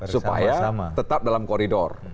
supaya tetap dalam koridor